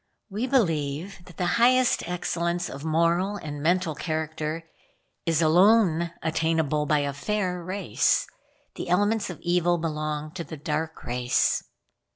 "We believe that the highest excellence of moral and mental character is alone attainable by a fair race. The elements of evil belong to the dark race."